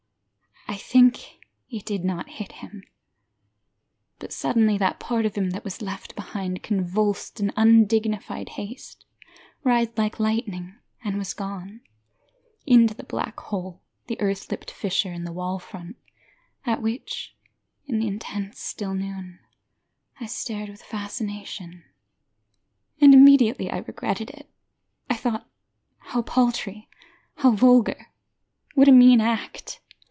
I think it did not hit him, But suddenly that part of him that was left behind convulsed in undignified haste, Writhed like lightning, and was gone Into the black hole, the earth lipped fissure in the wall front, At which, in the intense still noon, I stared with fascination. And immediately I regretted it. I thought how paltry, how vulgar, what a mean act!